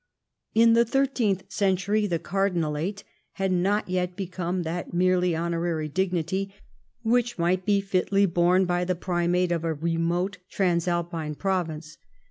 In the thirteenth century the cardinalate had not yet become that merely honorary dignity which might be fitly borne by the primate of a remote trans alpine province.